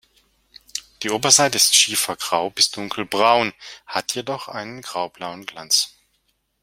Die Oberseite ist schiefergrau bis dunkelbraun, hat jedoch einen graublauen Glanz.